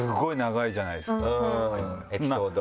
エピソード。